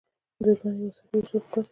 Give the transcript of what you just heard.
د ژوند يو اساسي اصول په ګوته شوی.